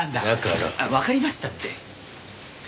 わかりましたって。